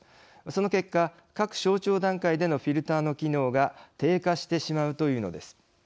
その結果、各省庁段階でのフィルターの機能が低下してしまうというのです。